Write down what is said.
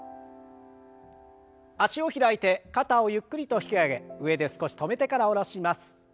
脚を開いて肩をゆっくりと引き上げ上で少し止めてから下ろします。